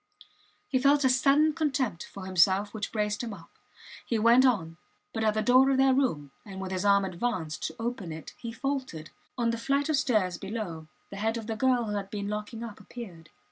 He felt a sudden contempt for himself which braced him up. He went on, but at the door of their room and with his arm advanced to open it, he faltered. On the flight of stairs below the head of the girl who had been locking up appeared.